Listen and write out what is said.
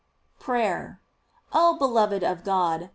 PRAYER. Oh beloved of God!